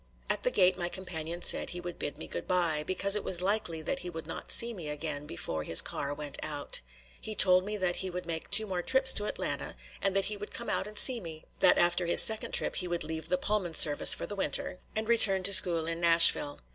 At the gate my companion said he would bid me good by, because it was likely that he would not see me again before his car went out. He told me that he would make two more trips to Atlanta and that he would come out and see me; that after his second trip he would leave the Pullman service for the winter and return to school in Nashville.